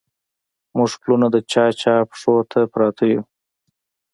موږه پلونه د چا، چا پښو ته پراته يو